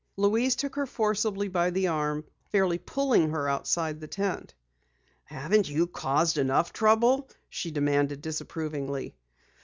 Louise took her forcibly by the arm, fairly pulling her outside the tent. "Haven't you caused enough trouble?" she demanded disapprovingly.